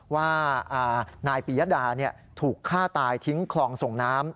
ว่านายปียดาถูกฆ่าตายทิ้งคลองส่งน้ำ